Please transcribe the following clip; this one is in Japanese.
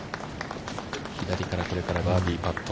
左から、これからバーディーパット。